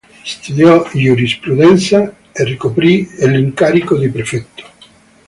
Studiò giurisprudenza e ricoprì l'incarico di prefetto.